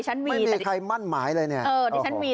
ไม่มีใครมั่นหมายเลยเนี่ย